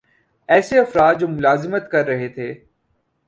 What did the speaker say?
ایسے افراد جو ملازمت کررہے تھے